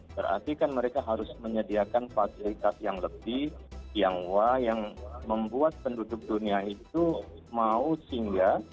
berarti kan mereka harus menyediakan fasilitas yang lebih yang membuat penduduk dunia itu mau singgah